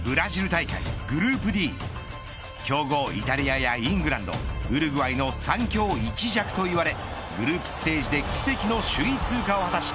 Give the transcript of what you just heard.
大会グループＤ強豪、イタリアやイングランドウルグアイの３強１弱と言われグループステージで奇跡の首位通過を果たし